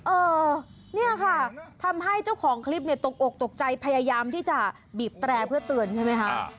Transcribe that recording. เออเนี่ยค่ะทำให้เจ้าของคลิปเนี่ยตกอกตกใจพยายามที่จะบีบแตร่เพื่อเตือนใช่ไหมคะ